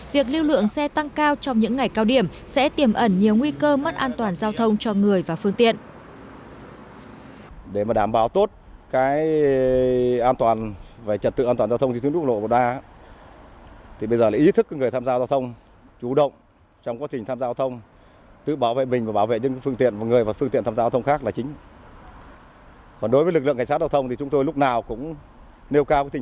việc lưu lượng xe tăng cao trong những ngày cao điểm sẽ tiềm ẩn nhiều nguy cơ mất an toàn giao thông cho người và phương tiện